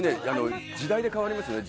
時代で変わりますよね。